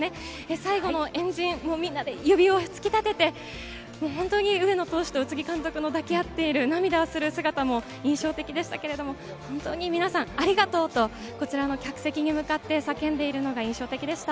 最後の円陣、みんなで指を突き立てて、本当に上野投手と宇津木監督の抱き合ってる、涙する姿も印象的でしたけれども、本当に皆さん、ありがとうと、こちらの客席に向かって叫んでいるのが印象的でした。